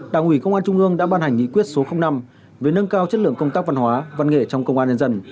đảng ủy công an trung ương đã ban hành nghị quyết số năm về nâng cao chất lượng công tác văn hóa văn nghệ trong công an nhân dân